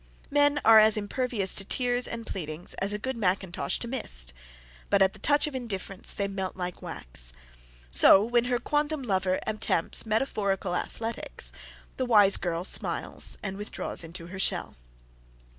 Men are as impervious to tears and pleadings as a good mackintosh to mist, but at the touch of indifference, they melt like wax. So when her quondam lover attempts metaphorical athletics, the wise girl smiles and withdraws into her shell.